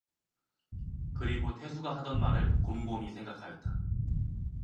그리고 태수가 하던 말을 곰곰이 생각하였다.